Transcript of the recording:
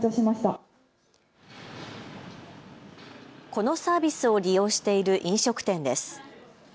このサービスを利用している飲食店です。